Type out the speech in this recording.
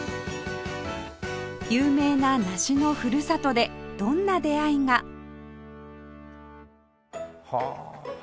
有名な梨のふるさとでどんな出会いが？はあ。